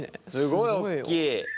すごいおっきい。